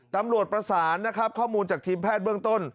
ตำรวจประสานนะครับข้อมูลจากทีมแพทย์เบื้องต้น